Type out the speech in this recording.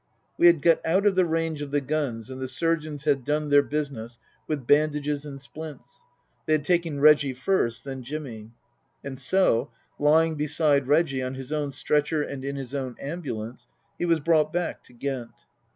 We had got out of the range of the guns and the surgeons had done their business with bandages and splints. They had taken Reggie first, then Jimmy. And so, lying beside Reggie, on his own stretcher and in his own ambulance, he was brought back to Ghent.